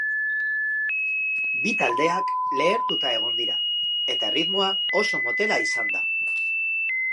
Bi taldeak lehertuta egon dira, eta erritmoa oso motela izan da.